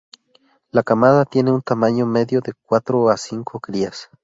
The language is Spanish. La camada tiene un tamaño medio de cuatro a cinco crías.